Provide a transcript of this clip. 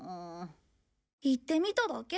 言ってみただけ。